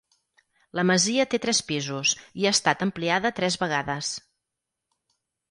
La masia té tres pisos i ha estat ampliada tres vegades.